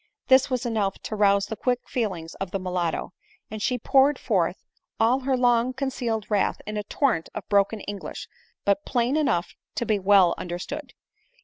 This was enough to rouse the quick feelings of the mulatto, and she poured forth all her long concealed wrath in a torrent of broken English, but plain enough to be well understood.